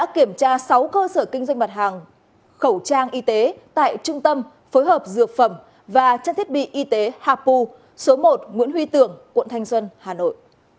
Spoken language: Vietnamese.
kiểm tra sáu cơ sở kinh doanh mặt hàng khẩu trang y tế tại trung tâm phối hợp dược phẩm và trang thiết bị y tế hapu số một nguyễn huy tưởng quận thanh xuân hà nội